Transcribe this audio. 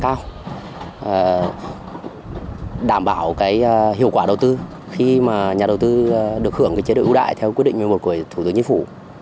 quảng trị sẽ đảm bảo hiệu quả đầu tư khi nhà đầu tư được hưởng chế độ ưu đại theo quyết định của thủ tướng nhân phủ